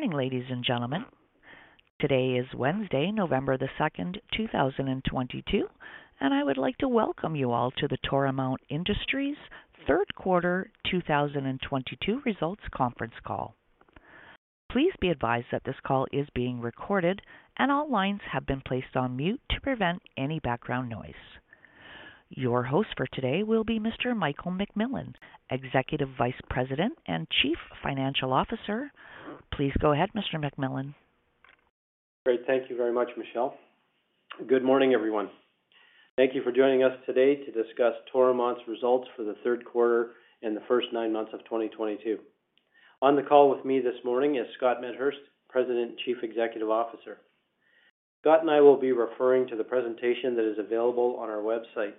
Good morning, ladies and gentlemen. Today is Wednesday, November the second, 2022, and I would like to welcome you all to the Toromont Industries third quarter 2022 results conference call. Please be advised that this call is being recorded and all lines have been placed on mute to prevent any background noise. Your host for today will be Mr. Michael McMillan, Executive Vice President and Chief Financial Officer. Please go ahead, Mr. McMillan. Great. Thank you very much, Michelle. Good morning, everyone. Thank you for joining us today to discuss Toromont's results for the third quarter and the first nine months of 2022. On the call with me this morning is Scott Medhurst, President and Chief Executive Officer. Scott and I will be referring to the presentation that is available on our website.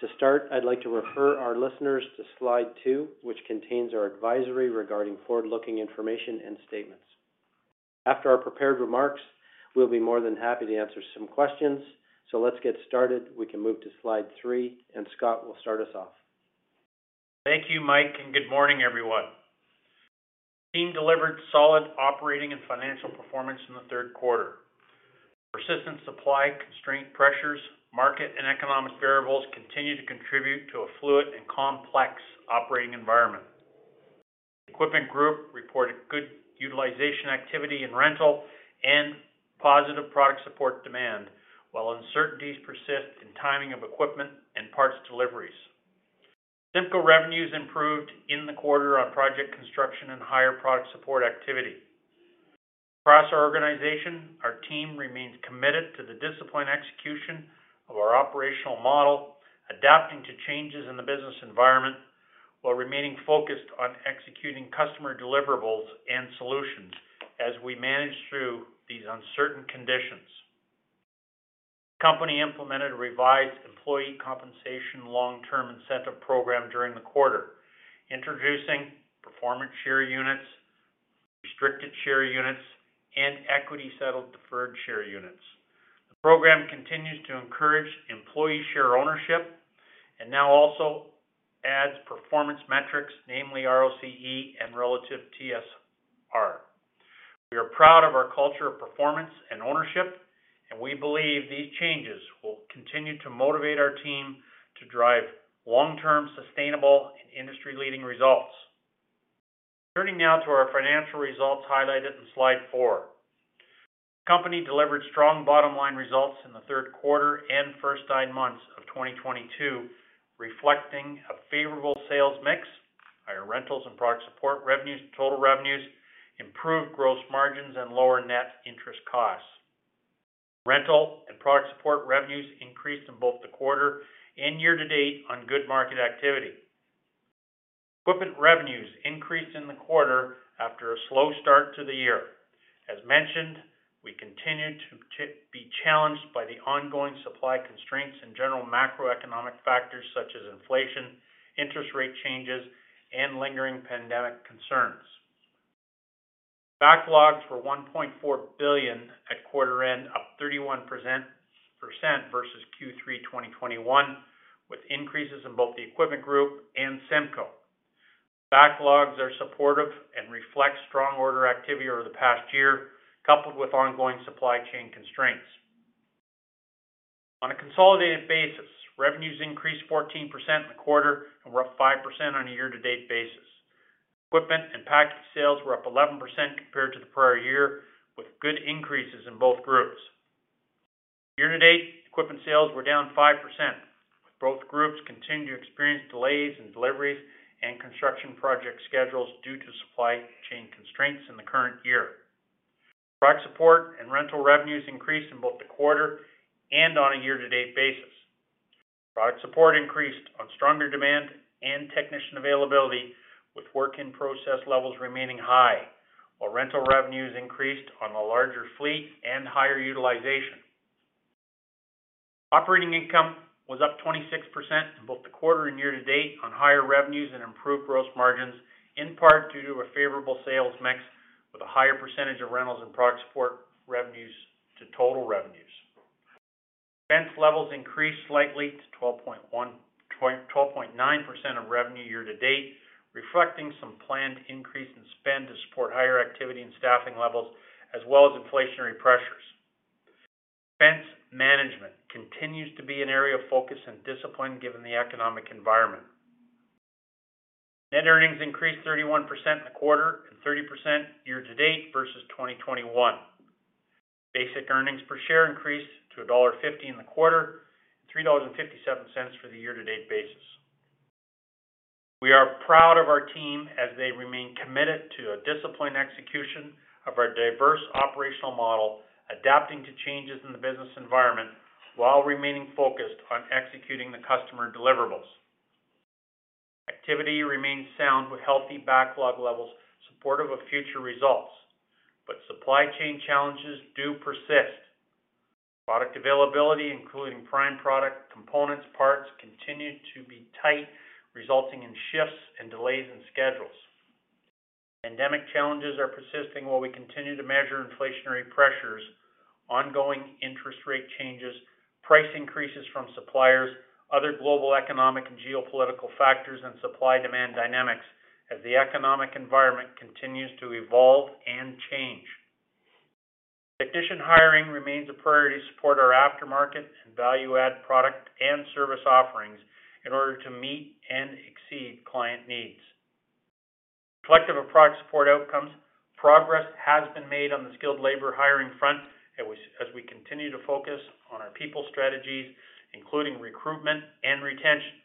To start, I'd like to refer our listeners to slide two, which contains our advisory regarding forward-looking information and statements. After our prepared remarks, we'll be more than happy to answer some questions. Let's get started. We can move to slide three, and Scott will start us off. Thank you, Mike, and good morning, everyone. The team delivered solid operating and financial performance in the third quarter. Persistent supply constraint pressures, market and economic variables continue to contribute to a fluid and complex operating environment. Equipment Group reported good utilization activity in rental and positive product support demand, while uncertainties persist in timing of equipment and parts deliveries. CIMCO revenues improved in the quarter on project construction and higher product support activity. Across our organization, our team remains committed to the disciplined execution of our operational model, adapting to changes in the business environment while remaining focused on executing customer deliverables and solutions as we manage through these uncertain conditions. The company implemented a revised employee compensation long-term incentive program during the quarter, introducing Performance Share Units, Restricted Share Units, and equity-settled Deferred Share Units. The program continues to encourage employee share ownership and now also adds performance metrics, namely ROCE and relative TSR. We are proud of our culture of performance and ownership, and we believe these changes will continue to motivate our team to drive long-term, sustainable, and industry-leading results. Turning now to our financial results highlighted in slide four. The company delivered strong bottom-line results in the third quarter and first nine months of 2022, reflecting a favorable sales mix, higher rentals and product support revenues to total revenues, improved gross margins, and lower net interest costs. Rental and product support revenues increased in both the quarter and year-to-date on good market activity. Equipment revenues increased in the quarter after a slow start to the year. As mentioned, we continue to be challenged by the ongoing supply constraints and general macroeconomic factors such as inflation, interest rate changes, and lingering pandemic concerns. Backlogs were 1.4 billion at quarter end, up 31% versus Q3 2021, with increases in both the Equipment Group and CIMCO. Backlogs are supportive and reflect strong order activity over the past year, coupled with ongoing supply chain constraints. On a consolidated basis, revenues increased 14% in the quarter and were up 5% on a year-to-date basis. Equipment and package sales were up 11% compared to the prior year, with good increases in both groups. Year-to-date, equipment sales were down 5%, with both groups continuing to experience delays in deliveries and construction project schedules due to supply chain constraints in the current year. Product support and rental revenues increased in both the quarter and on a year-to-date basis. Product support increased on stronger demand and technician availability, with work-in-process levels remaining high, while rental revenues increased on a larger fleet and higher utilization. Operating income was up 26% in both the quarter and year-to-date on higher revenues and improved gross margins, in part due to a favorable sales mix with a higher percentage of rentals and product support revenues to total revenues. Expense levels increased slightly to 12.9% of revenue year-to-date, reflecting some planned increase in spend to support higher activity and staffing levels, as well as inflationary pressures. Expense management continues to be an area of focus and discipline given the economic environment. Net earnings increased 31% in the quarter and 30% year-to-date versus 2021. Basic earnings per share increased to dollar 1.50 in the quarter, 3.57 dollars for the year-to-date basis. We are proud of our team as they remain committed to a disciplined execution of our diverse operational model, adapting to changes in the business environment while remaining focused on executing the customer deliverables. Activity remains sound with healthy backlog levels supportive of future results, but supply chain challenges do persist. Product availability, including prime product components parts, continue to be tight, resulting in shifts and delays in schedules. Pandemic challenges are persisting while we continue to measure inflationary pressures. Ongoing interest rate changes, price increases from suppliers, other global economic and geopolitical factors and supply demand dynamics as the economic environment continues to evolve and change. Technician hiring remains a priority to support our aftermarket and value-add product and service offerings in order to meet and exceed client needs. Collective of product support outcomes, progress has been made on the skilled labor hiring front as we continue to focus on our people strategies, including recruitment and retention.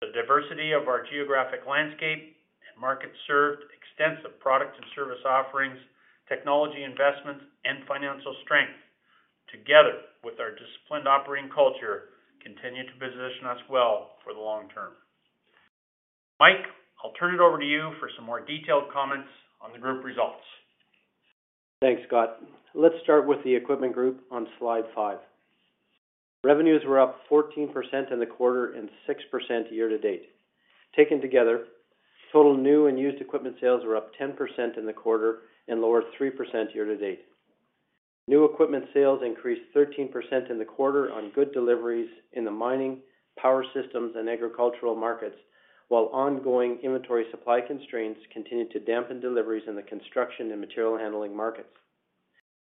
The diversity of our geographic landscape and market served, extensive product and service offerings, technology investments and financial strength, together with our disciplined operating culture, continue to position us well for the long term. Mike, I'll turn it over to you for some more detailed comments on the group results. Thanks, Scott. Let's start with the Equipment Group on slide 5. Revenues were up 14% in the quarter and 6% year-to-date. Taken together, total new and used equipment sales were up 10% in the quarter and lower 3% year-to-date. New equipment sales increased 13% in the quarter on good deliveries in the mining, power systems, and agricultural markets, while ongoing inventory supply constraints continued to dampen deliveries in the construction and material handling markets.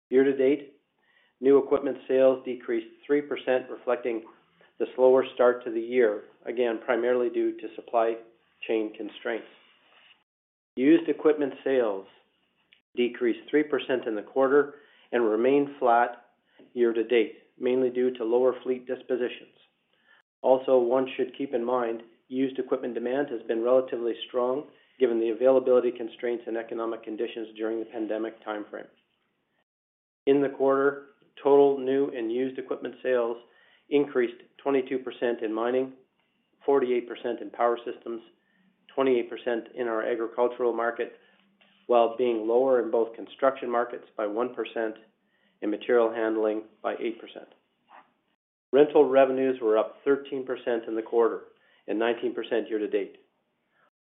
Year-to-date, new equipment sales decreased 3%, reflecting the slower start to the year, again, primarily due to supply chain constraints. Used equipment sales decreased 3% in the quarter and remained flat year-to-date, mainly due to lower fleet dispositions. Also, one should keep in mind, used equipment demand has been relatively strong given the availability constraints and economic conditions during the pandemic timeframe. In the quarter, total new and used equipment sales increased 22% in mining, 48% in power systems, 28% in our agricultural market, while being lower in both construction markets by 1% and material handling by 8%. Rental revenues were up 13% in the quarter and 19% year-to-date.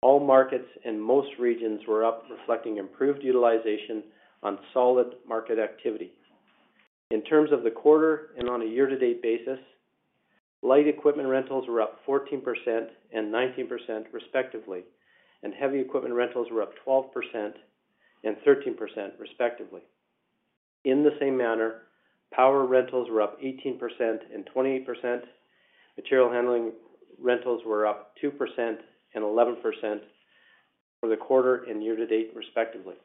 All markets and most regions were up, reflecting improved utilization on solid market activity. In terms of the quarter and on a year-to-date basis, light equipment rentals were up 14% and 19% respectively, and heavy equipment rentals were up 12% and 13% respectively. In the same manner, power rentals were up 18% and 28%. Material handling rentals were up 2% and 11% for the quarter and year-to-date respectively.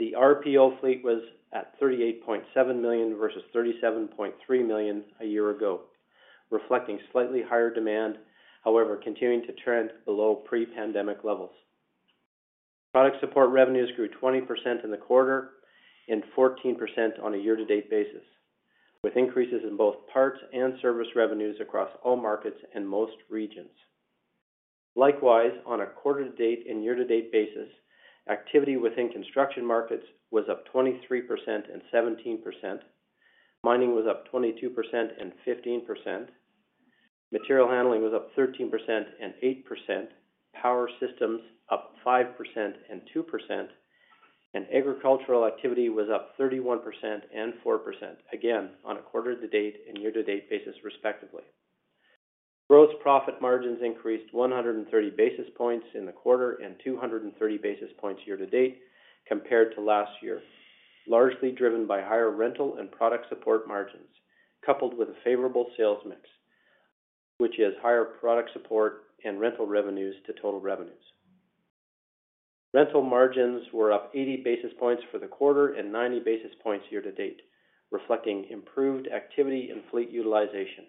The RPO fleet was at 38.7 million versus 37.3 million a year ago, reflecting slightly higher demand, however, continuing to trend below pre-pandemic levels. Product support revenues grew 20% in the quarter and 14% on a year-to-date basis, with increases in both parts and service revenues across all markets and most regions. Likewise, on a quarter-to-date and year-to-date basis, activity within construction markets was up 23% and 17%. Mining was up 22% and 15%. Material handling was up 13% and 8%. Power systems up 5% and 2%. Agricultural activity was up 31% and 4%, again, on a quarter-to-date and year-to-date basis, respectively. Gross profit margins increased 130 basis points in the quarter and 230 basis points year-to-date compared to last year, largely driven by higher rental and product support margins, coupled with a favorable sales mix, which is higher product support and rental revenues to total revenues. Rental margins were up 80 basis points for the quarter and 90 basis points year-to-date, reflecting improved activity and fleet utilization.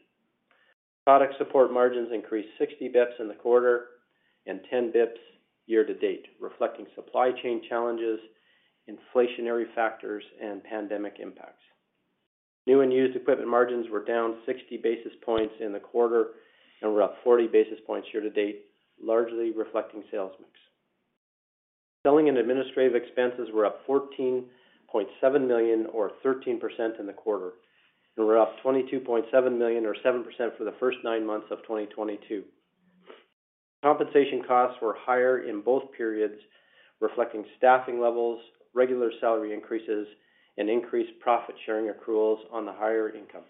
Product support margins increased 60 basis points in the quarter and 10 basis points year-to-date, reflecting supply chain challenges, inflationary factors, and pandemic impacts. New and used equipment margins were down 60 basis points in the quarter and were up 40 basis points year-to-date, largely reflecting sales mix. Selling and administrative expenses were up 14.7 million or 13% in the quarter and were up 22.7 million or 7% for the first nine months of 2022. Compensation costs were higher in both periods, reflecting staffing levels, regular salary increases, and increased profit sharing accruals on the higher income.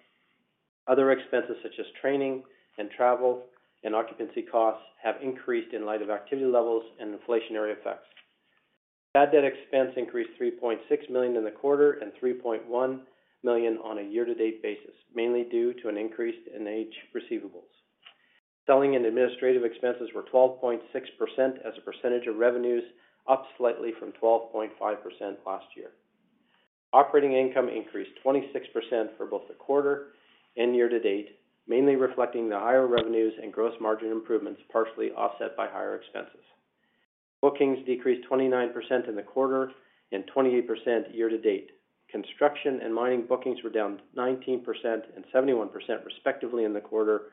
Other expenses, such as training and travel and occupancy costs, have increased in light of activity levels and inflationary effects. Bad debt expense increased 3.6 million in the quarter and 3.1 million on a year-to-date basis, mainly due to an increase in aged receivables. Selling and administrative expenses were 12.6% as a percentage of revenues, up slightly from 12.5% last year. Operating income increased 26% for both the quarter and year-to-date, mainly reflecting the higher revenues and gross margin improvements, partially offset by higher expenses. Bookings decreased 29% in the quarter and 28% year-to-date. Construction and mining bookings were down 19% and 71% respectively in the quarter,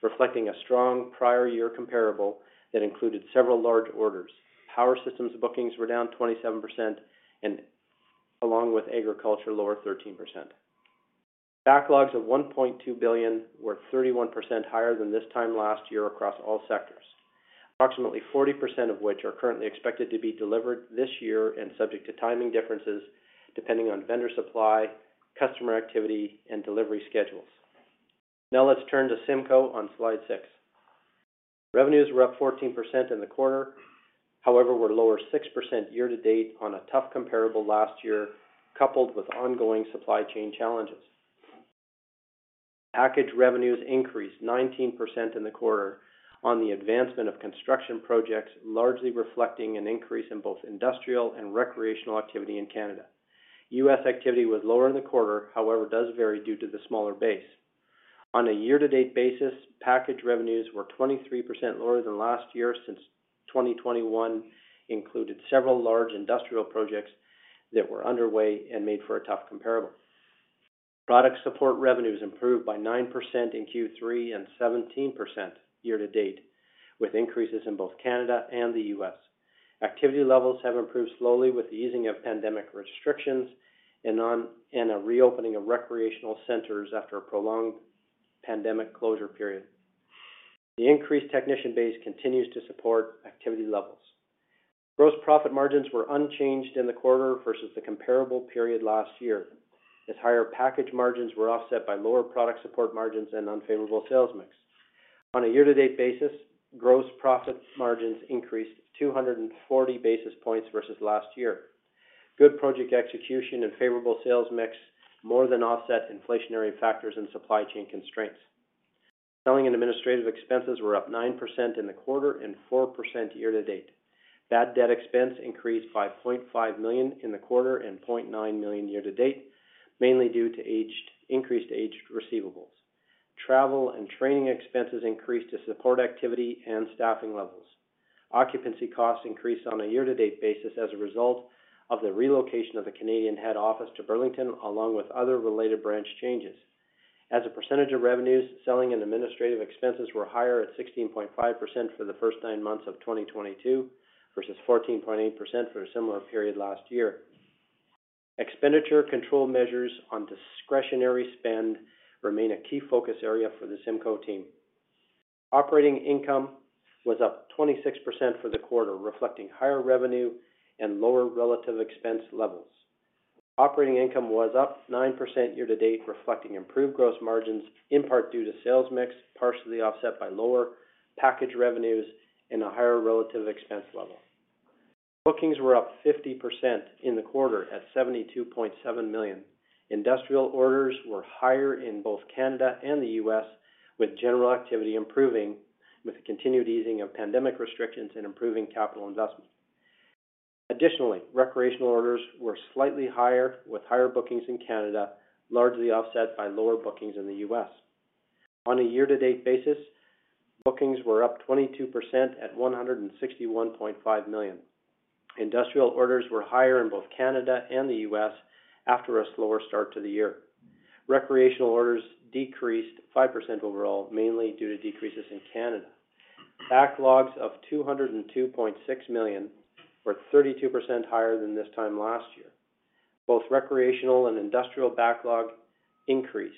reflecting a strong prior year comparable that included several large orders. Power systems bookings were down 27% and along with agriculture, lower 13%. Backlogs of 1.2 billion were 31% higher than this time last year across all sectors, approximately 40% of which are currently expected to be delivered this year and subject to timing differences depending on vendor supply, customer activity, and delivery schedules. Now let's turn to CIM on slide six. Revenues were up 14% in the quarter, however, were lower 6% year-to-date on a tough comparable last year, coupled with ongoing supply chain challenges. Package revenues increased 19% in the quarter on the advancement of construction projects, largely reflecting an increase in both industrial and recreational activity in Canada. US activity was lower in the quarter, however, does vary due to the smaller base. On a year-to-date basis, package revenues were 23% lower than last year since 2021 included several large industrial projects that were underway and made for a tough comparable. Product support revenues improved by 9% in Q3 and 17% year-to-date, with increases in both Canada and the US. Activity levels have improved slowly with the easing of pandemic restrictions and a reopening of recreational centers after a prolonged pandemic closure period. The increased technician base continues to support activity levels. Gross profit margins were unchanged in the quarter versus the comparable period last year, as higher package margins were offset by lower product support margins and unfavorable sales mix. On a year-to-date basis, gross profit margins increased 240 basis points versus last year. Good project execution and favorable sales mix more than offset inflationary factors and supply chain constraints. Selling and administrative expenses were up 9% in the quarter and 4% year-to-date. Bad debt expense increased by 0.5 million in the quarter and 0.9 million year-to-date, mainly due to increased aged receivables. Travel and training expenses increased to support activity and staffing levels. Occupancy costs increased on a year-to-date basis as a result of the relocation of the Canadian head office to Burlington, along with other related branch changes. As a percentage of revenues, selling and administrative expenses were higher at 16.5% for the first nine months of 2022 versus 14.8% for a similar period last year. Expenditure control measures on discretionary spend remain a key focus area for the Simcoe team. Operating income was up 26% for the quarter, reflecting higher revenue and lower relative expense levels. Operating income was up 9% year-to-date, reflecting improved gross margins, in part due to sales mix, partially offset by lower package revenues and a higher relative expense level. Bookings were up 50% in the quarter at 72.7 million. Industrial orders were higher in both Canada and the U.S., with general activity improving with the continued easing of pandemic restrictions and improving capital investments. Recreational orders were slightly higher, with higher bookings in Canada largely offset by lower bookings in the US. On a year-to-date basis, bookings were up 22% at 161.5 million. Industrial orders were higher in both Canada and the US after a slower start to the year. Recreational orders decreased 5% overall, mainly due to decreases in Canada. Backlogs of 202.6 million were 32% higher than this time last year. Both recreational and industrial backlog increased,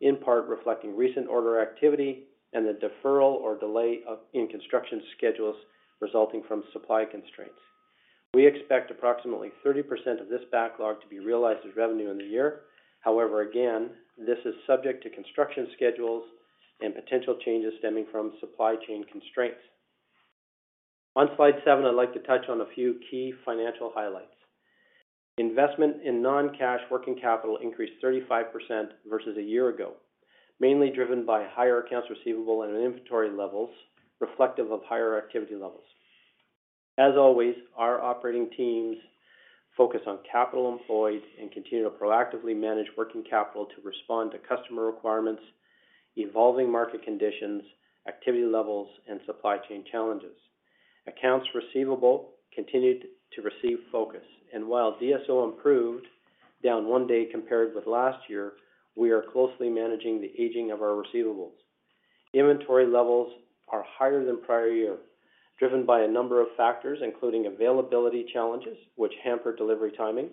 in part reflecting recent order activity and the deferral or delay of in-construction schedules resulting from supply constraints. We expect approximately 30% of this backlog to be realized as revenue in the year. However, again, this is subject to construction schedules and potential changes stemming from supply chain constraints. On slide seven, I'd like to touch on a few key financial highlights. Investment in non-cash working capital increased 35% versus a year ago, mainly driven by higher accounts receivable and inventory levels reflective of higher activity levels. As always, our operating teams focus on capital employed and continue to proactively manage working capital to respond to customer requirements, evolving market conditions, activity levels, and supply chain challenges. Accounts receivable continued to receive focus, and while DSO improved, down 1 day compared with last year, we are closely managing the aging of our receivables. Inventory levels are higher than prior year, driven by a number of factors, including availability challenges which hamper delivery timing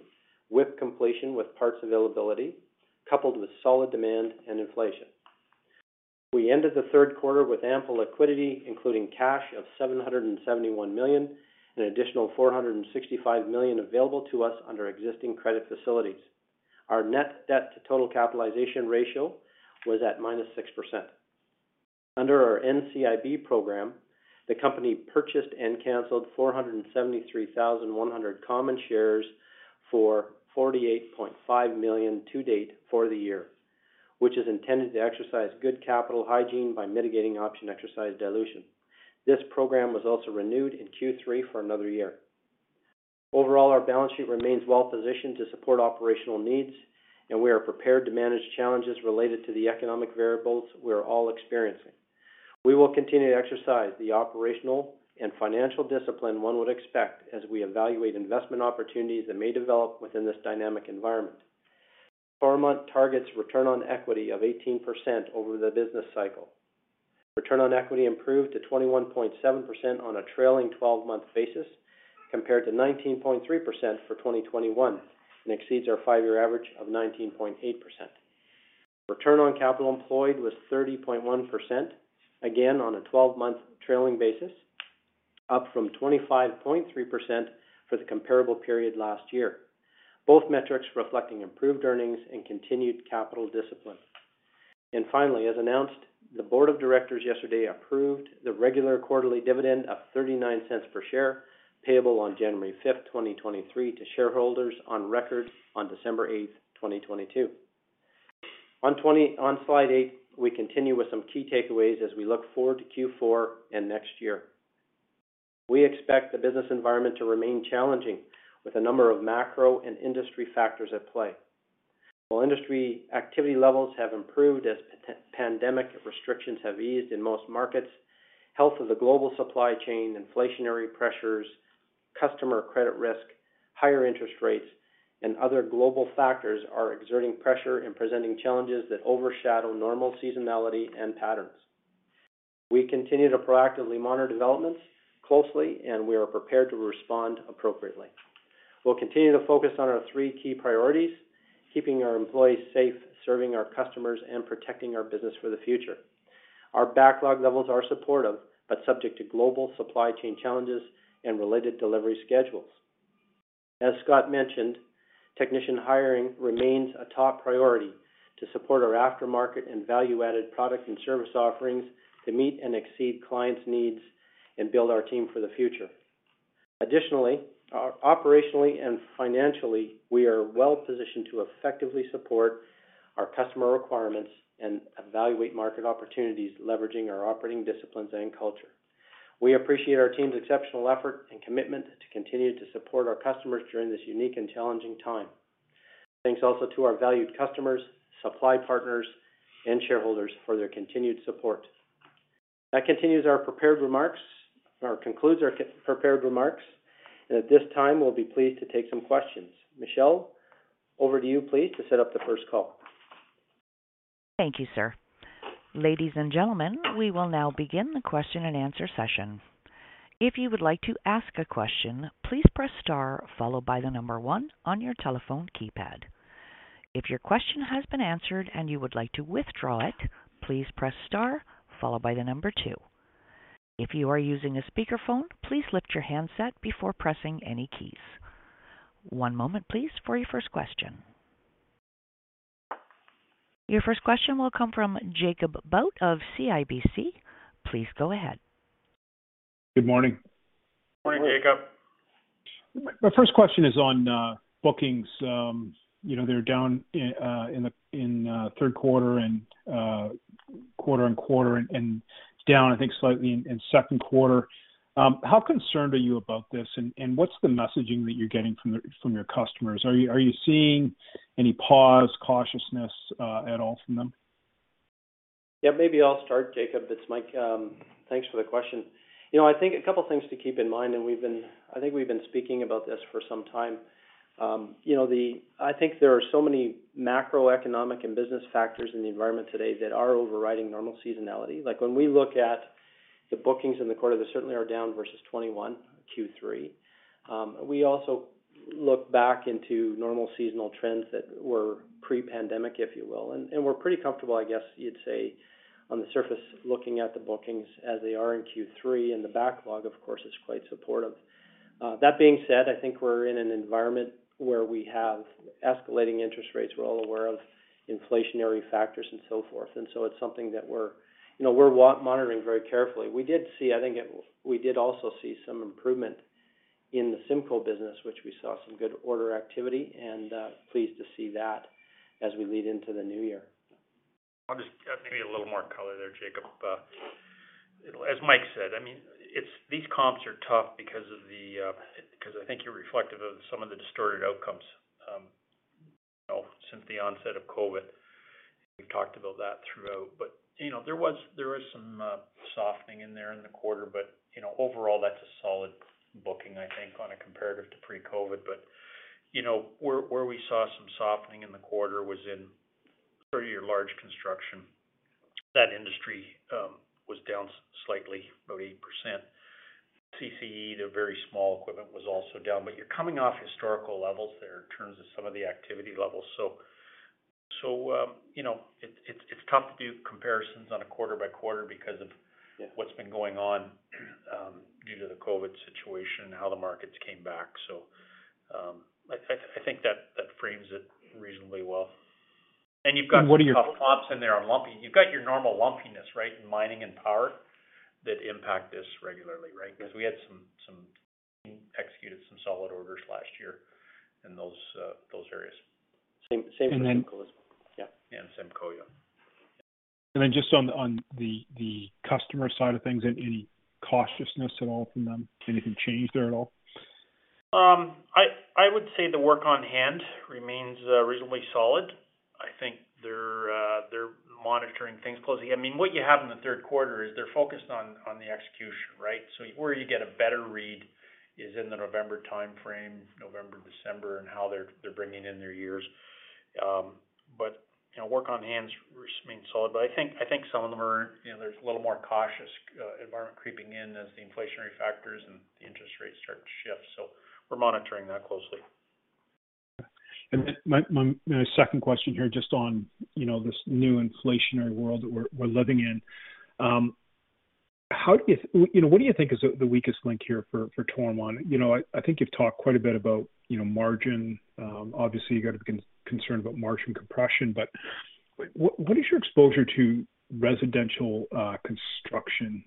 with complications with parts availability, coupled with solid demand and inflation. We ended the third quarter with ample liquidity, including cash of 771 million, an additional 465 million available to us under existing credit facilities. Our Net Debt to Total Capitalization Ratio was at -6%. Under our NCIB program, the company purchased and canceled 473,100 common shares for 48.5 million to date for the year, which is intended to exercise good capital hygiene by mitigating option exercise dilution. This program was also renewed in Q3 for another year. Overall, our balance sheet remains well positioned to support operational needs, and we are prepared to manage challenges related to the economic variables we are all experiencing. We will continue to exercise the operational and financial discipline one would expect as we evaluate investment opportunities that may develop within this dynamic environment. Toromont targets Return on Equity of 18% over the business cycle. Return on Equity improved to 21.7% on a trailing twelve-month basis compared to 19.3% for 2021, and exceeds our five-year average of 19.8%. Return on Capital Employed was 30.1%, again, on a twelve-month trailing basis, up from 25.3% for the comparable period last year. Both metrics reflecting improved earnings and continued capital discipline. Finally, as announced, the board of directors yesterday approved the regular quarterly dividend of 0.39 per share, payable on January fifth, 2023 to shareholders on record on December eighth, 2022. On slide 8, we continue with some key takeaways as we look forward to Q4 and next year. We expect the business environment to remain challenging with a number of macro and industry factors at play. While industry activity levels have improved as pandemic restrictions have eased in most markets, health of the global supply chain, inflationary pressures, customer credit risk, higher interest rates, and other global factors are exerting pressure and presenting challenges that overshadow normal seasonality and patterns. We continue to proactively monitor developments closely, and we are prepared to respond appropriately. We'll continue to focus on our three key priorities, keeping our employees safe, serving our customers, and protecting our business for the future. Our backlog levels are supportive, but subject to global supply chain challenges and related delivery schedules. As Scott mentioned, technician hiring remains a top priority to support our aftermarket and value-added product and service offerings to meet and exceed clients' needs and build our team for the future. Additionally, operationally and financially, we are well-positioned to effectively support our customer requirements and evaluate market opportunities, leveraging our operating disciplines and culture. We appreciate our team's exceptional effort and commitment to continue to support our customers during this unique and challenging time. Thanks also to our valued customers, supply partners, and shareholders for their continued support. That concludes our prepared remarks. At this time, we'll be pleased to take some questions. Michelle, over to you, please, to set up the first call. Thank you, sir. Ladies and gentlemen, we will now begin the question and answer session. If you would like to ask a question, please press star followed by the number one on your telephone keypad. If your question has been answered and you would like to withdraw it, please press star followed by the number two. If you are using a speakerphone, please lift your handset before pressing any keys. One moment, please, for your first question. Your first question will come from Jacob Bout of CIBC. Please go ahead. Good morning. Morning, Jacob. My first question is on bookings. You know, they're down in third quarter and quarter on quarter and down, I think, slightly in second quarter. How concerned are you about this, and what's the messaging that you're getting from your customers? Are you seeing any pause, cautiousness at all from them? Yeah, maybe I'll start, Jacob Bout. It's Michael McMillan. Thanks for the question. You know, I think a couple of things to keep in mind, and I think we've been speaking about this for some time. You know, I think there are so many macroeconomic and business factors in the environment today that are overriding normal seasonality. Like, when we look at the bookings in the quarter, they certainly are down versus 2021 Q3. We also look back into normal seasonal trends that were pre-pandemic, if you will. We're pretty comfortable, I guess you'd say, on the surface, looking at the bookings as they are in Q3, and the backlog, of course, is quite supportive. That being said, I think we're in an environment where we have escalating interest rates. We're all aware of inflationary factors and so forth. It's something that we're, you know, monitoring very carefully. We did see some improvement in the CIMCO business, which we saw some good order activity, and pleased to see that as we lead into the new year. Maybe a little more color there, Jacob. As Mike said, I mean, it's these comps are tough because I think you're reflective of some of the distorted outcomes, you know, since the onset of COVID. We've talked about that throughout. You know, there was some softening in there in the quarter, but, you know, overall that's a solid booking, I think, on a comparative to pre-COVID. You know, where we saw some softening in the quarter was in pretty large construction. That industry was down slightly, about 8%. CCE, the very small equipment was also down. You're coming off historical levels there in terms of some of the activity levels. You know, it's tough to do comparisons on a quarter by quarter because of what's been going on due to the COVID situation and how the markets came back. I think that frames it reasonably well. What are your- You've got some comps in there on lumpiness. You've got your normal lumpiness, right, in mining and power that impact this regularly, right? Because we executed some solid orders last year in those areas. Same for CIMCO. Yeah. CIMCO, yeah. Just on the customer side of things, any cautiousness at all from them? Anything changed there at all? I would say the work on hand remains reasonably solid. I think they're monitoring things closely. I mean, what you have in the third quarter is they're focused on the execution, right? Where you get a better read is in the November timeframe, November, December, and how they're bringing in their year ends. You know, work on hand remains solid. I think some of them are, you know, there's a little more cautious environment creeping in as the inflationary factors and the interest rates start to shift. We're monitoring that closely. My second question here, just on, you know, this new inflationary world that we're living in. You know, what do you think is the weakest link here for Toromont? You know, I think you've talked quite a bit about, you know, margin. Obviously, you got to be concerned about margin compression. But what is your exposure to residential construction?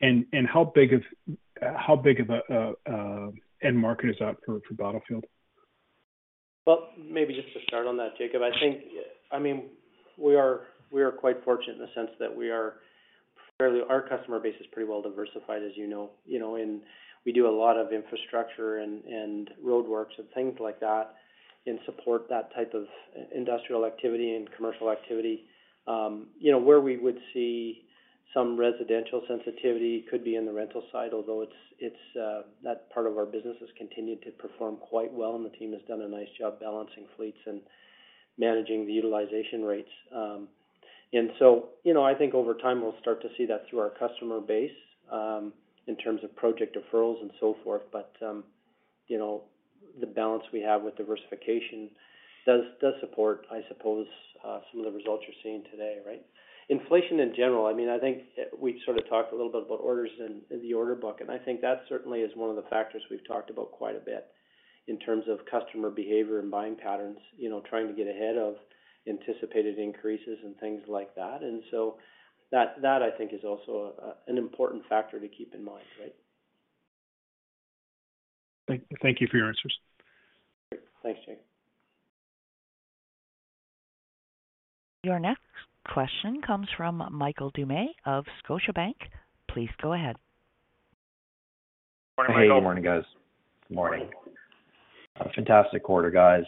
And how big of an end market is that for Battlefield? Well, maybe just to start on that, Jacob, I think, I mean, we are quite fortunate in the sense that our customer base is pretty well diversified, as you know. You know, we do a lot of infrastructure and roadworks and things like that, and support that type of industrial activity and commercial activity. You know, where we would see some residential sensitivity could be in the rental side, although it's that part of our business has continued to perform quite well, and the team has done a nice job balancing fleets and managing the utilization rates. You know, I think over time, we'll start to see that through our customer base in terms of project deferrals and so forth. you know, the balance we have with diversification does support, I suppose, some of the results you're seeing today, right? Inflation in general, I mean, I think we sort of talked a little bit about orders in the order book, and I think that certainly is one of the factors we've talked about quite a bit in terms of customer behavior and buying patterns, you know, trying to get ahead of anticipated increases and things like that. that I think is also an important factor to keep in mind, right? Thank you for your answers. Thanks, Jacob. Your next question comes from Michael Doumet of Scotiabank. Please go ahead. Morning, guys. Hey, good morning, guys. Morning. A fantastic quarter, guys.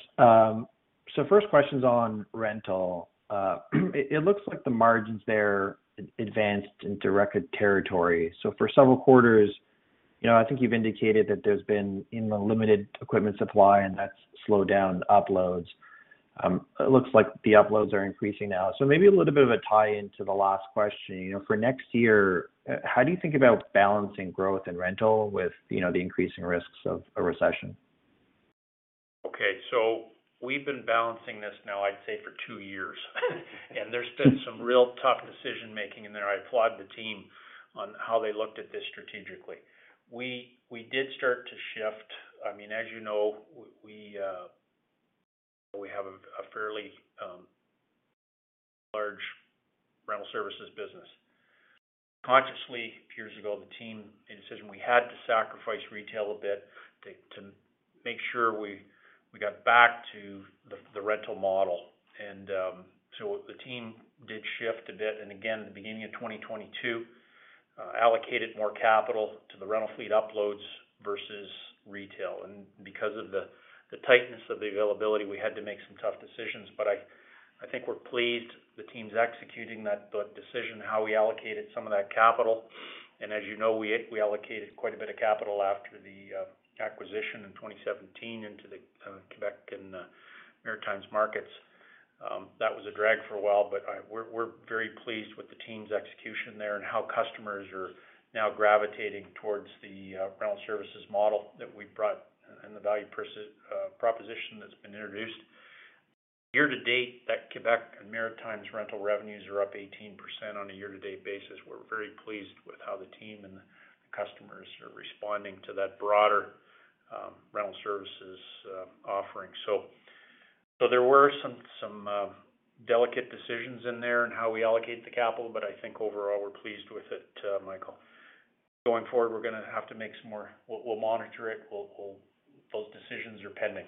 First question's on rental. It looks like the margins there advanced into record territory. For several quarters, you know, I think you've indicated that there's been limited equipment supply and that's slowed down uploads. It looks like the uploads are increasing now. Maybe a little bit of a tie into the last question, you know, for next year, how do you think about balancing growth and rental with, you know, the increasing risks of a recession? Okay. We've been balancing this now, I'd say, for two years. There's been some real tough decision-making in there. I applaud the team on how they looked at this strategically. We did start to shift. I mean, as you know, we have a fairly large rental services business. Consciously, a few years ago, the team made a decision we had to sacrifice retail a bit to make sure we got back to the rental model. The team did shift a bit. Again, at the beginning of 2022, allocated more capital to the rental fleet upgrades versus retail. Because of the tightness of the availability, we had to make some tough decisions. I think we're pleased the team's executing that decision how we allocated some of that capital. As you know, we allocated quite a bit of capital after the acquisition in 2017 into the Quebec and Maritimes markets. That was a drag for a while, but we're very pleased with the team's execution there and how customers are now gravitating towards the rental services model that we brought and the value proposition that's been introduced. Year to date, that Quebec and Maritimes rental revenues are up 18% on a year to date basis. We're very pleased with how the team and the customers are responding to that broader rental services offering. There were some delicate decisions in there in how we allocate the capital, but I think overall we're pleased with it, Michael. Going forward, we're gonna have to make some more. We'll monitor it. Those decisions are pending.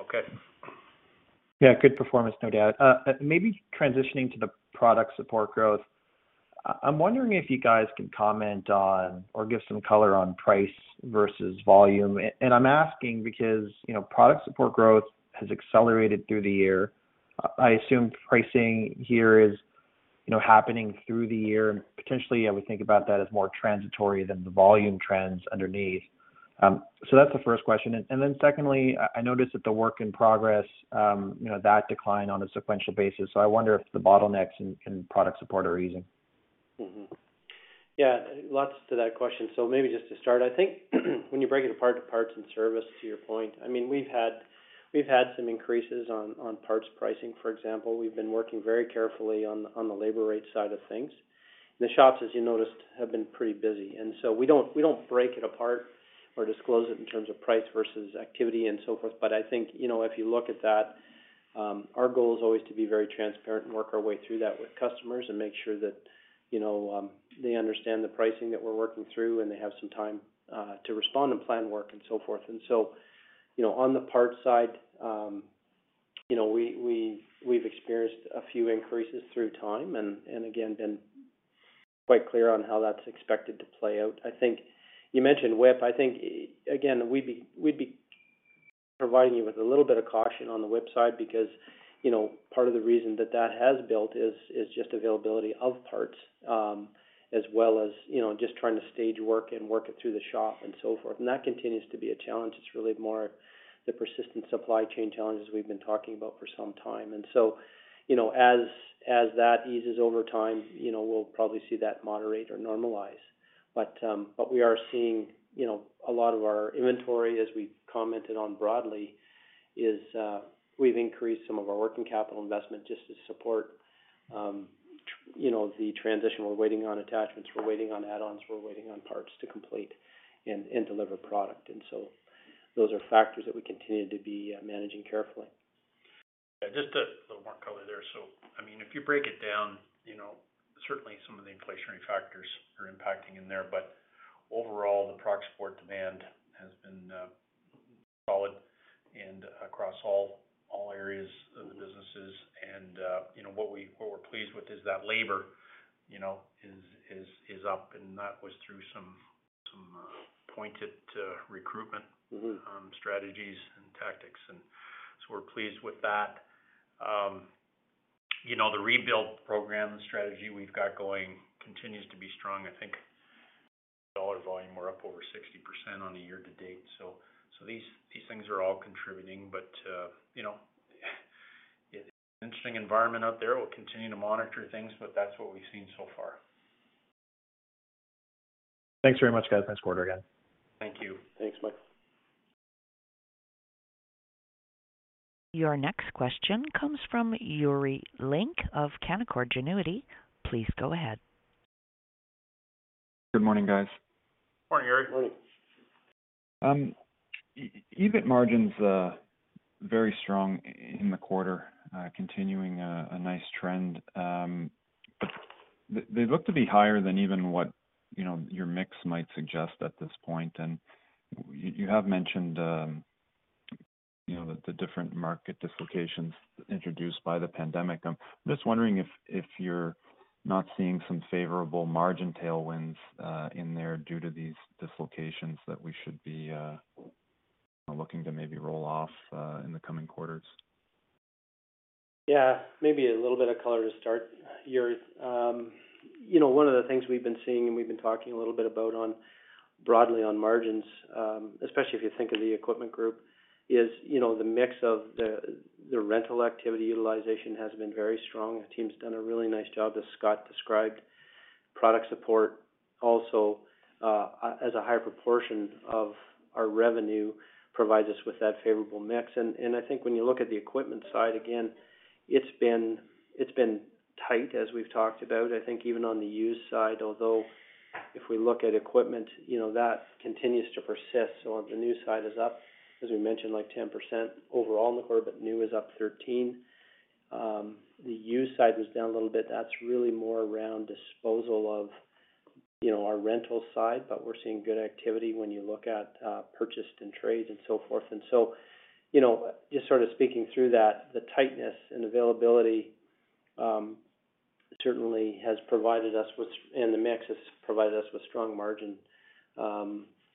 Okay. Yeah, good performance, no doubt. Maybe transitioning to the product support growth. I'm wondering if you guys can comment on or give some color on price versus volume. I'm asking because, you know, product support growth has accelerated through the year. I assume pricing here is, you know, happening through the year. Potentially, I would think about that as more transitory than the volume trends underneath. That's the first question. Secondly, I noticed that the work in progress, you know, that decline on a sequential basis. I wonder if the bottlenecks in product support are easing. Yeah. Lots to that question. Maybe just to start, I think when you break it apart to parts and service, to your point, I mean, we've had some increases on parts pricing, for example. We've been working very carefully on the labor rate side of things. The shops, as you noticed, have been pretty busy. We don't break it apart or disclose it in terms of price versus activity and so forth. I think, you know, if you look at that, our goal is always to be very transparent and work our way through that with customers and make sure that, you know, they understand the pricing that we're working through and they have some time to respond and plan work and so forth. You know, on the parts side, you know, we've experienced a few increases through time and again, been quite clear on how that's expected to play out. I think you mentioned WIP. I think, again, we'd be Providing you with a little bit of caution on the WIP side because, you know, part of the reason that that has built is just availability of parts, as well as, you know, just trying to stage work and work it through the shop and so forth. That continues to be a challenge. It's really more the persistent supply chain challenges we've been talking about for some time. You know, as that eases over time, you know, we'll probably see that moderate or normalize. What we are seeing, you know, a lot of our inventory, as we commented on broadly, is we've increased some of our working capital investment just to support, you know, the transition. We're waiting on attachments, we're waiting on add-ons, we're waiting on parts to complete and deliver product. Those are factors that we continue to be managing carefully. Yeah, just a little more color there. I mean, if you break it down, you know, certainly some of the inflationary factors are impacting in there. Overall, the product support demand has been solid and across all areas of the businesses. You know, what we're pleased with is that labor, you know, is up, and that was through some pointed recruitment. Strategies and tactics. We're pleased with that. You know, the rebuild program strategy we've got going continues to be strong. I think dollar volume, we're up over 60% year-to-date. These things are all contributing. You know, it's an interesting environment out there. We'll continue to monitor things, but that's what we've seen so far. Thanks very much, guys. Thanks, quarter again. Thank you. Thanks, Mike. Your next question comes from Yuri Lynk of Canaccord Genuity. Please go ahead. Good morning, guys. Morning, Yuri. Morning. EBIT margins very strong in the quarter, continuing a nice trend. They look to be higher than even what, you know, your mix might suggest at this point. You have mentioned, you know, the different market dislocations introduced by the pandemic. I'm just wondering if you're not seeing some favorable margin tailwinds in there due to these dislocations that we should be looking to maybe roll off in the coming quarters. Yeah, maybe a little bit of color to start, Yuri. You know, one of the things we've been seeing and we've been talking a little bit about broadly on margins, especially if you think of the Equipment Group, is you know, the mix of the rental activity utilization has been very strong. The team's done a really nice job, as Scott described. Product support also as a higher proportion of our revenue provides us with that favorable mix. I think when you look at the equipment side, again, it's been tight as we've talked about. I think even on the used side, although if we look at equipment, you know, that continues to persist. The new side is up, as we mentioned, like 10% overall in the quarter, but new is up 13%. The used side was down a little bit. That's really more around disposal of, you know, our rental side. We're seeing good activity when you look at purchased and trades and so forth. You know, just sort of speaking through that, the tightness and availability certainly has provided us with. The mix has provided us with strong margin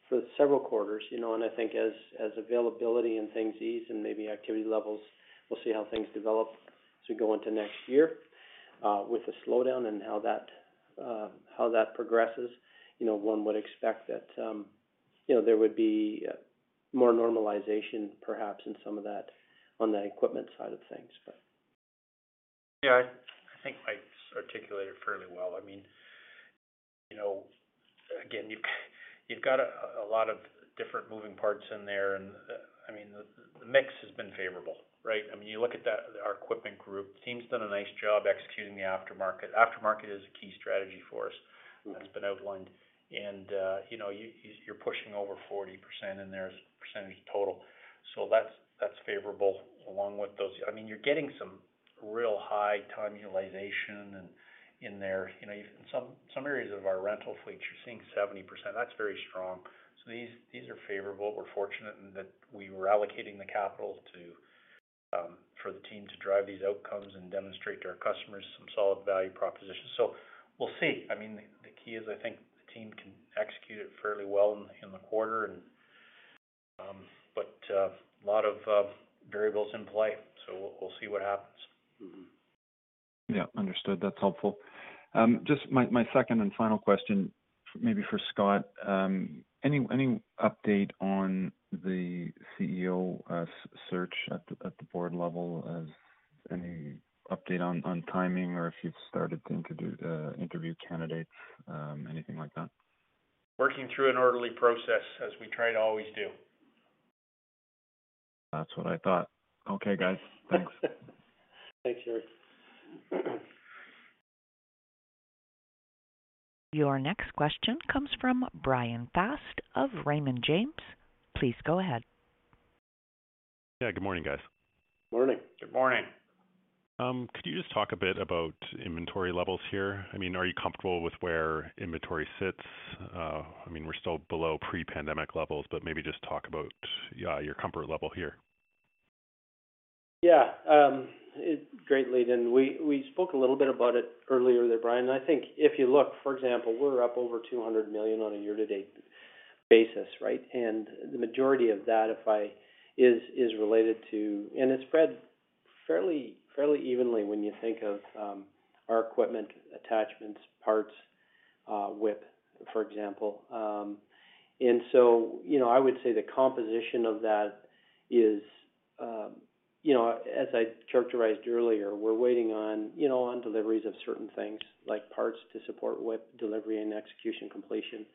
for several quarters, you know. I think as availability and things ease and maybe activity levels, we'll see how things develop as we go into next year with the slowdown and how that progresses. You know, one would expect that, you know, there would be more normalization perhaps in some of that on the equipment side of things, but. Yeah, I think Mike's articulated fairly well. I mean, you know, again, you've got a lot of different moving parts in there. I mean, the mix has been favorable, right? I mean, you look at that, our Equipment Group team's done a nice job executing the aftermarket. Aftermarket is a key strategy for us that's been outlined. You know, you're pushing over 40% of the total. So that's favorable. Along with those, I mean, you're getting some real high ton utilization in there. You know, in some areas of our rental fleets, you're seeing 70%. That's very strong. So these are favorable. We're fortunate in that we were allocating the capital to for the team to drive these outcomes and demonstrate to our customers some solid value propositions. So we'll see. I mean, the key is I think the team can execute it fairly well in the quarter. A lot of variables in play. We'll see what happens. Yeah, understood. That's helpful. Just my second and final question, maybe for Scott. Any update on the CEO search at the board level? Any update on timing or if you've started to interview candidates, anything like that? Working through an orderly process as we try to always do. That's what I thought. Okay, guys. Thanks. Thanks, Yuri. Your next question comes from Bryan Fast of Raymond James. Please go ahead. Yeah. Good morning, guys. Morning. Good morning. Could you just talk a bit about inventory levels here? I mean, are you comfortable with where inventory sits? I mean, we're still below pre-pandemic levels, but maybe just talk about your comfort level here. Yeah. We spoke a little bit about it earlier there, Bryan. I think if you look, for example, we're up over 200 million on a year-to-date basis, right? The majority of that is related to. It's spread fairly evenly when you think of our equipment attachments, parts, WIP, for example. And so, you know, I would say the composition of that is, you know, as I characterized earlier, we're waiting on, you know, on deliveries of certain things like parts to support WIP delivery and execution completion,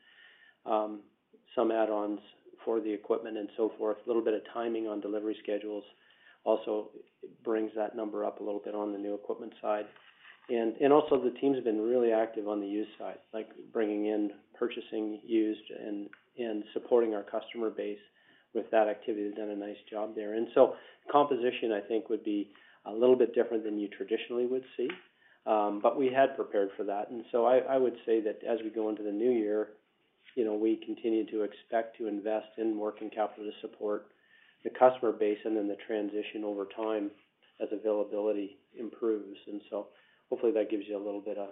some add-ons for the equipment and so forth. A little bit of timing on delivery schedules also brings that number up a little bit on the new equipment side. Also the teams have been really active on the used side, like bringing in purchasing used and supporting our customer base with that activity. They've done a nice job there. Composition, I think, would be a little bit different than you traditionally would see. We had prepared for that. I would say that as we go into the new year, you know, we continue to expect to invest in working capital to support the customer base and then the transition over time as availability improves. Hopefully that gives you a little bit of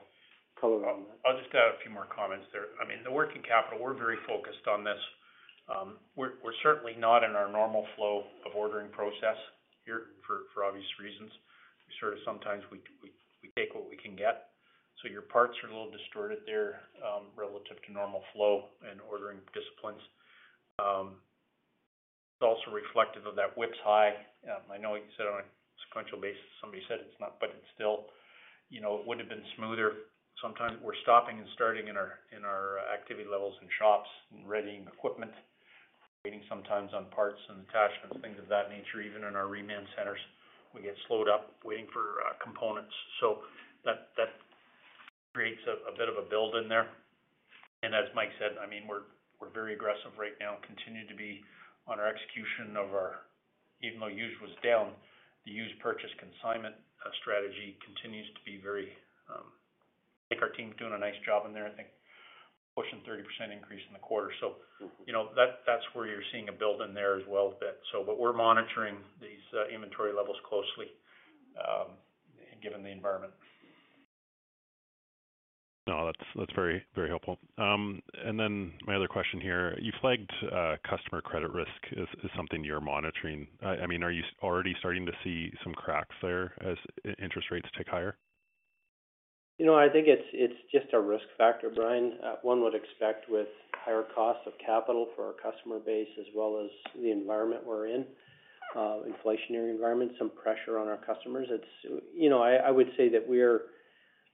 color on that. I've just got a few more comments there. I mean, the working capital, we're very focused on this. We're certainly not in our normal flow of ordering process here for obvious reasons. We sort of sometimes we take what we can get. So your parts are a little distorted there, relative to normal flow and ordering disciplines. It's also reflective of that WIP's high. I know you said on a sequential basis, somebody said it's not, but it's still, you know, it would have been smoother. Sometimes we're stopping and starting in our activity levels in shops and readying equipment, waiting sometimes on parts and attachments, things of that nature. Even in our reman centers, we get slowed up waiting for components. So that creates a bit of a build in there. As Mike said, I mean, we're very aggressive right now, continue to be on our execution. Even though used was down, the used purchase consignment strategy continues to be very, I think our team's doing a nice job in there. I think pushing 30% increase in the quarter. You know, that's where you're seeing a build in there as well a bit. But we're monitoring these inventory levels closely, given the environment. No, that's very helpful. My other question here, you flagged customer credit risk as something you're monitoring. I mean, are you already starting to see some cracks there as interest rates tick higher? You know, I think it's just a risk factor, Brian. One would expect with higher costs of capital for our customer base as well as the environment we're in, inflationary environment, some pressure on our customers. You know, I would say that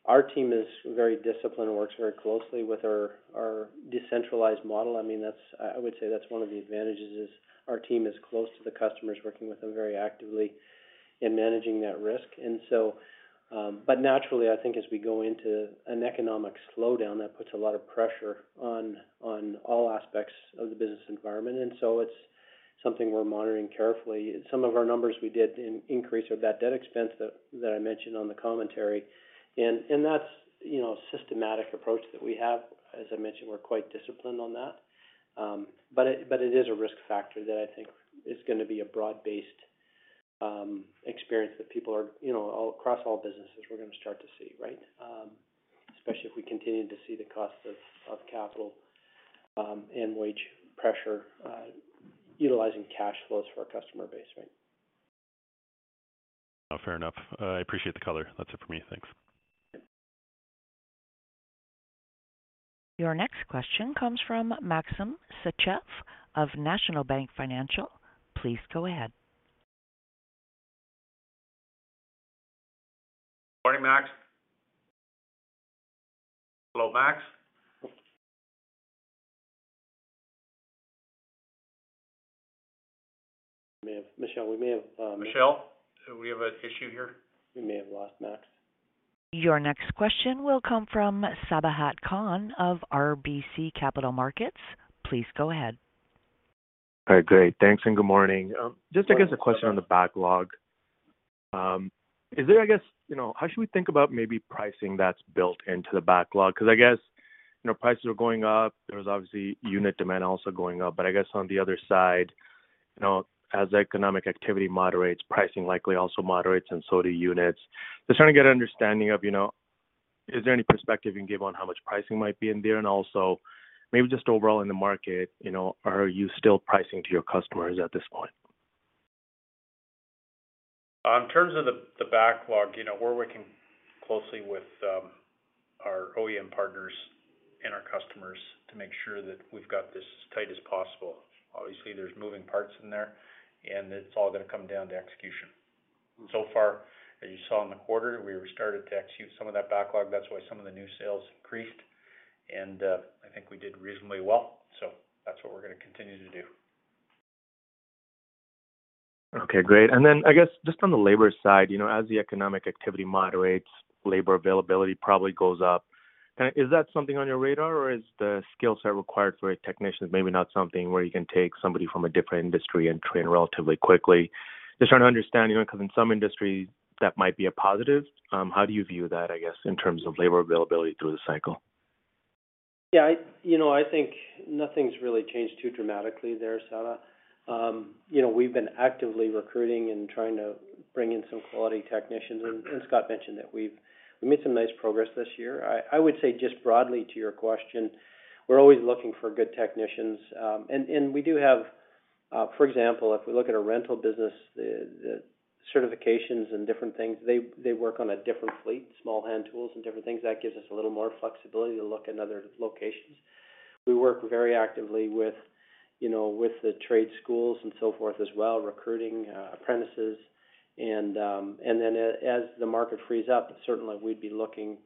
our team is very disciplined and works very closely with our decentralized model. I mean, that's one of the advantages is our team is close to the customers, working with them very actively in managing that risk. But naturally, I think as we go into an economic slowdown, that puts a lot of pressure on all aspects of the business environment. It's something we're monitoring carefully. Some of our numbers we did see an increase of that debt expense that I mentioned in the commentary. That's, you know, a systematic approach that we have. As I mentioned, we're quite disciplined on that. It is a risk factor that I think is gonna be a broad-based experience that people are, you know, all across all businesses, we're gonna start to see, right? Especially if we continue to see the cost of capital and wage pressure utilizing cash flows for our customer base. Right. Fair enough. I appreciate the color. That's it for me. Thanks. Your next question comes from Maxim Sytchev of National Bank Financial. Please go ahead. Morning, Max. Hello, Max. Michelle, we may have. Michelle, do we have an issue here? We may have lost Max. Your next question will come from Sabahat Khan of RBC Capital Markets. Please go ahead. All right, great. Thanks, and good morning. Just I guess a question on the backlog. Is there, I guess, you know, how should we think about maybe pricing that's built into the backlog? 'Cause I guess, you know, prices are going up. There's obviously unit demand also going up. I guess on the other side, you know, as economic activity moderates, pricing likely also moderates, and so do units. Just trying to get an understanding of, you know, is there any perspective you can give on how much pricing might be in there? Also maybe just overall in the market, you know, are you still pricing to your customers at this point? In terms of the backlog, you know, we're working closely with our OEM partners and our customers to make sure that we've got this as tight as possible. Obviously, there's moving parts in there, and it's all gonna come down to execution. So far, as you saw in the quarter, we restarted to execute some of that backlog. That's why some of the new sales increased, and I think we did reasonably well. So that's what we're gonna continue to do. Okay, great. I guess just on the labor side, you know, as the economic activity moderates, labor availability probably goes up. Kinda is that something on your radar, or is the skill set required for a technician is maybe not something where you can take somebody from a different industry and train relatively quickly? Just trying to understand, you know, 'cause in some industries that might be a positive. How do you view that, I guess, in terms of labor availability through the cycle? Yeah, you know, I think nothing's really changed too dramatically there, Sabahat. You know, we've been actively recruiting and trying to bring in some quality technicians. Scott mentioned that we've made some nice progress this year. I would say just broadly to your question, we're always looking for good technicians. We do have, for example, if we look at our rental business, the certifications and different things, they work on a different fleet, small hand tools and different things. That gives us a little more flexibility to look in other locations. We work very actively with, you know, with the trade schools and so forth as well, recruiting apprentices and then as the market frees up, certainly we'd be looking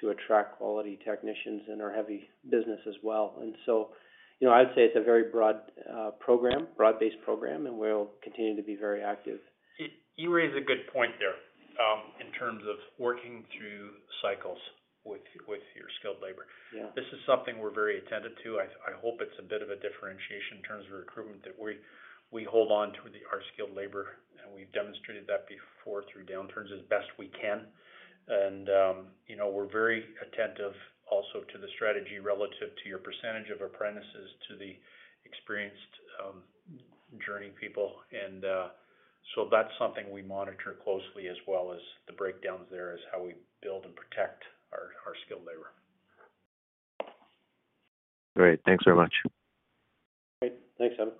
to attract quality technicians in our heavy business as well. You know, I'd say it's a very broad-based program, and we'll continue to be very active. You raise a good point there in terms of working through cycles with your skilled labor. Yeah. This is something we're very attentive to. I hope it's a bit of a differentiation in terms of recruitment that we hold on to our skilled labor, and we've demonstrated that before through downturns as best we can. You know, we're very attentive also to the strategy relative to your percentage of apprentices to the experienced journey people. That's something we monitor closely as well as the breakdowns there is how we build and protect our skilled labor. Great. Thanks very much. Great. Thanks, Michael McMillan.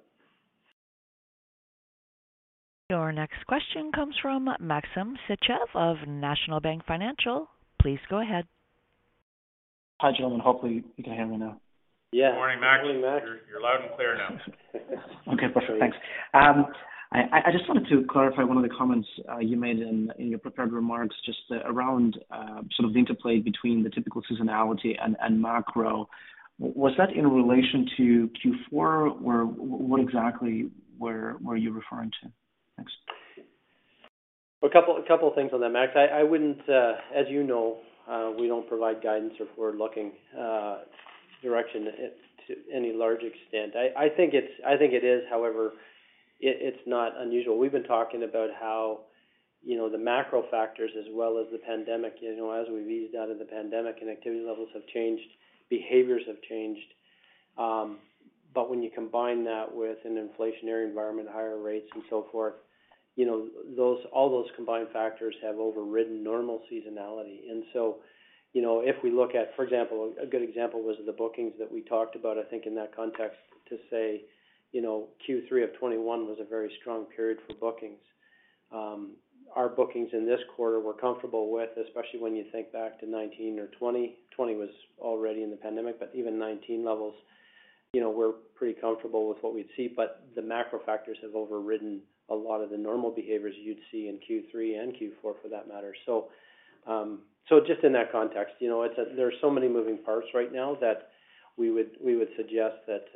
Your next question comes from Maxim Sytchev of National Bank Financial. Please go ahead. Hi, gentlemen. Hopefully you can hear me now. Yeah. Good morning, Max. Morning, Max. You're loud and clear now. Okay, perfect. Thanks. I just wanted to clarify one of the comments you made in your prepared remarks, just around sort of the interplay between the typical seasonality and macro. Was that in relation to Q4 or what exactly were you referring to? Thanks. A couple of things on that, Maxim. I wouldn't. As you know, we don't provide guidance or forward-looking direction to any large extent. I think it is. However, it's not unusual. We've been talking about how, you know, the macro factors as well as the pandemic. You know, as we've eased out of the pandemic and activity levels have changed, behaviors have changed. But when you combine that with an inflationary environment, higher rates and so forth, you know, those all those combined factors have overridden normal seasonality. You know, if we look at, for example, a good example was the bookings that we talked about, I think in that context to say, you know, Q3 of 2021 was a very strong period for bookings. Our bookings in this quarter we're comfortable with, especially when you think back to 2019 or 2020. 2020 was already in the pandemic, but even 2019 levels, you know, we're pretty comfortable with what we'd see. The macro factors have overridden a lot of the normal behaviors you'd see in Q3 and Q4 for that matter. Just in that context, you know, there are so many moving parts right now that we would suggest that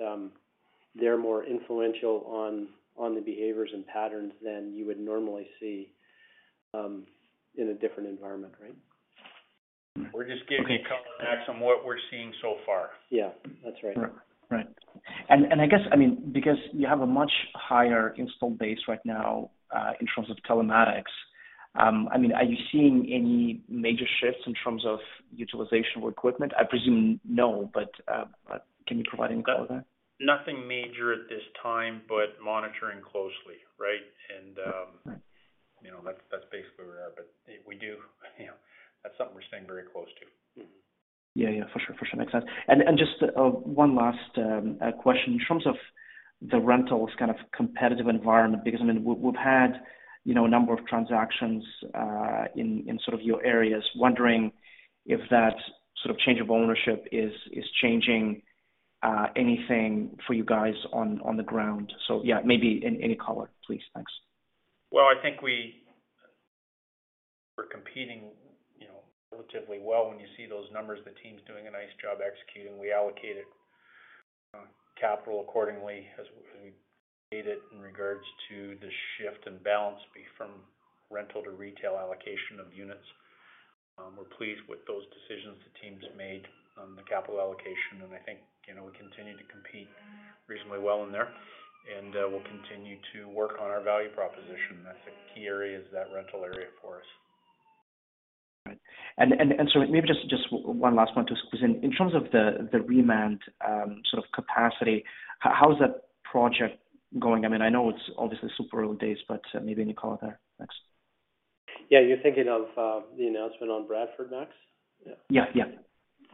they're more influential on the behaviors and patterns than you would normally see in a different environment, right? We're just giving you color, Max, on what we're seeing so far. Yeah, that's right. Right. I guess, I mean, because you have a much higher installed base right now, in terms of telematics, I mean, are you seeing any major shifts in terms of utilization of equipment? I presume no, but can you provide any color there? Nothing major at this time, but monitoring closely, right? Right You know, that's basically where we're at. We do, you know. That's something we're staying very close to. Yeah, for sure. Makes sense. Just one last question. In terms of the rentals kind of competitive environment, because I mean, we've had, you know, a number of transactions in sort of your areas. Wondering if that sort of change of ownership is changing anything for you guys on the ground. Yeah, maybe any color, please. Thanks. Well, I think we're competing, you know, relatively well when you see those numbers. The team's doing a nice job executing. We allocated capital accordingly as we did it in regards to the shift in balance from rental to retail allocation of units. We're pleased with those decisions the teams made on the capital allocation, and I think, you know, we continue to compete reasonably well in there and we'll continue to work on our value proposition. That's a key area, is that rental area for us. Right. Maybe just one last one to squeeze in. In terms of the Reman sort of capacity, how's that project going? I mean, I know it's obviously super early days, but maybe any color there. Thanks. Yeah. You're thinking of the announcement on Bradford, Max? Yeah. Yeah,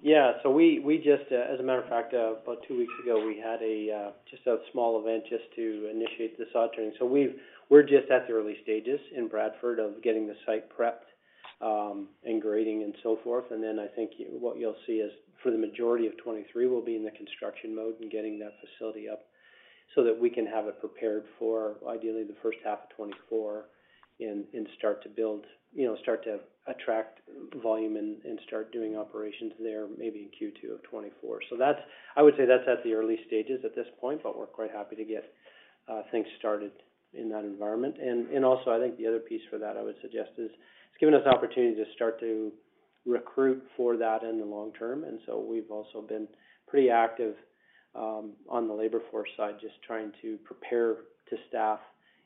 yeah. Yeah. We just, as a matter of fact, about two weeks ago, we had just a small event just to initiate the sod turning. We're just at the early stages in Bradford of getting the site prepped, and grading and so forth. I think what you'll see is for the majority of 2023, we'll be in the construction mode and getting that facility up so that we can have it prepared for ideally the first half of 2024 and start to build, you know, start to attract volume and start doing operations there maybe in Q2 of 2024. That's at the early stages at this point, but we're quite happy to get things started in that environment. also, I think the other piece for that I would suggest is it's given us the opportunity to start to recruit for that in the long term. We've also been pretty active on the labor force side, just trying to prepare to staff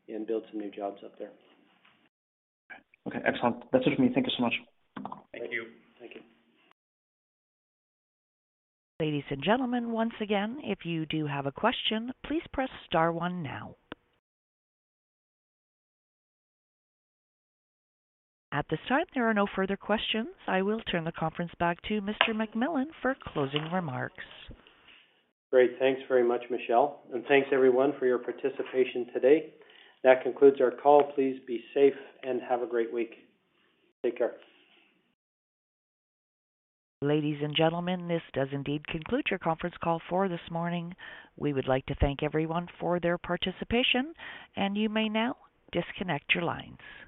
and build some new jobs up there. Okay. Excellent. That's it for me. Thank you so much. Thank you. Thank you. Ladies and gentlemen, once again, if you do have a question, please press star one now. At this time, there are no further questions. I will turn the conference back to Mr. McMillan for closing remarks. Great. Thanks very much, Michelle. Thanks everyone for your participation today. That concludes our call. Please be safe and have a great week. Take care. Ladies and gentlemen, this does indeed conclude your conference call for this morning. We would like to thank everyone for their participation, and you may now disconnect your lines.